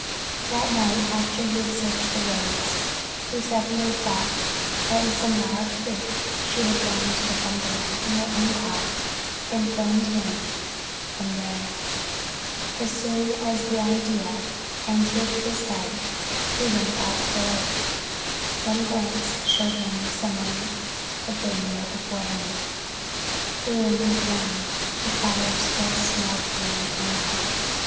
That night after he had searched the roads, he suddenly thought that in some wild freak she had gone to the bungalow in her own car and phoned him from there. As soon as the idea entered his head he went out to the lake. One glance showed him someone had been there before him—the room was warm, the fire still smouldering on the hearth.